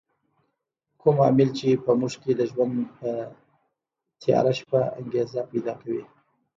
کوم عامل چې په موږ کې د ژوند په تیاره شپه انګېزه پیدا کوي.